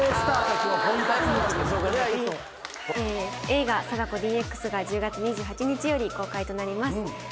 映画『貞子ＤＸ』が１０月２８日より公開となります。